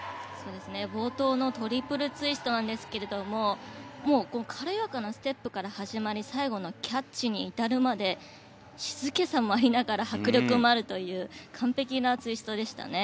冒頭のトリプルツイストですが軽やかなステップから始まり最後のキャッチに至るまで静けさもありながら迫力もあるという完璧なツイストでしたね。